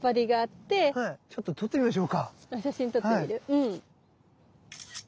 うん。